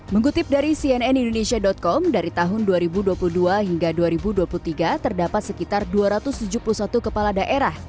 mengutip dari cnn indonesia com dari tahun dua ribu dua puluh dua hingga dua ribu dua puluh tiga terdapat sekitar dua ratus tujuh puluh satu kepala daerah